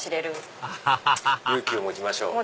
アハハ勇気を持ちましょう。